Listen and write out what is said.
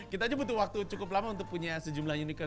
kita aja butuh waktu cukup lama untuk punya sejumlah unicor